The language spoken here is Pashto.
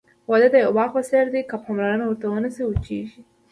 واده د یوه باغ په څېر دی، که پاملرنه ورته ونشي، وچېږي.